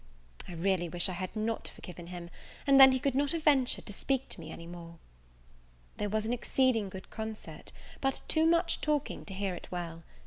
I really wish I had not forgiven him, and then he could not have ventured to speak to me any more. There was an exceeding good concert, but too much talking to hear it well.